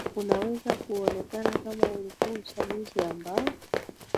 unaweza kuonekana kama ulikuwa uchaguzi ambao